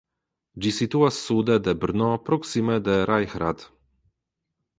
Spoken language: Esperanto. Ĝi situas sude de Brno proksime de Rajhrad.